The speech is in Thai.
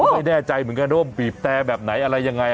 ไม่แน่ใจมันก็รู้ว่าบีบแต้แบบไหนอะไรยังไง